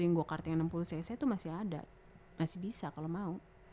yang go kart yang enam puluh cc itu masih ada masih bisa kalau mau